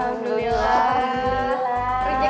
yang penting enak gratis lagi